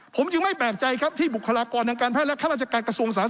ผมจึงไม่แปลกใจครับที่บุคลากร